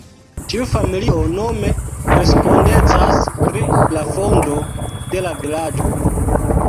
Tiu familio nome respondecas pri la fondo de la vilaĝo.